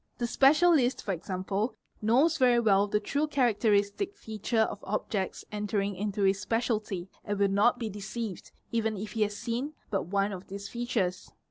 The specialist for example knows very well the true characteristic feature of objects enter — ing into his speciality and will not be deceived even if he has seen but — one of these features.